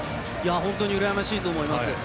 本当に羨ましいと思います。